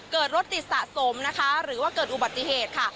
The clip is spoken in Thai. รถติดสะสมนะคะหรือว่าเกิดอุบัติเหตุค่ะ